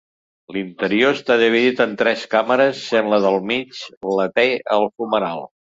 L'interior està dividit en tres càmeres, sent la del mig la té el fumeral.